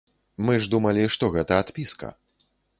Мы ж думалі, што гэта адпіска.